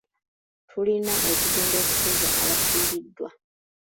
Tulina okugenda okusuza abafiiriddwa.